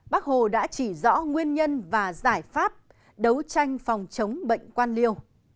bác hồ đã chỉ rõ nguyên nhân và giải pháp đấu tranh phòng chống bệnh quan liêu